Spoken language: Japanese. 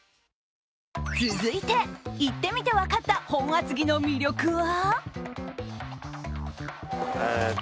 続いて、行ってみて分かった本厚木の魅力は？